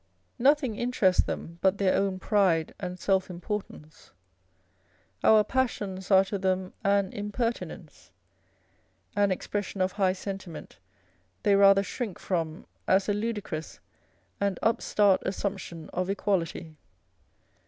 Nothing interests them but their own pride and self importance. Our passions are to them an impertinence ; an expression of high sentiment they rather shrink from as a ludicrous and upstart assumption of equality.